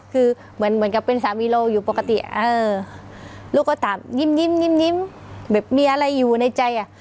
คือเหมือนเหมือนกับเป็นสามีเราอยู่ปกติเออลูกก็ตามยิ้มแบบมีอะไรอยู่ในใจอ่ะ